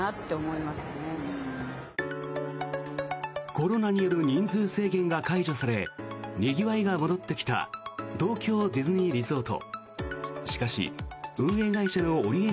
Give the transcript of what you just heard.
コロナによる人数制限が解除されにぎわいが戻ってきた東京ディズニーリゾート。